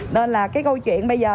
nên là cái câu chuyện bây giờ